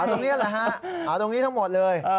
ตรงนี้แหละฮะเอาตรงนี้ทั้งหมดเลย